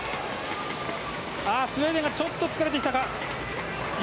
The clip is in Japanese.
スウェーデンがちょっと疲れてきたか。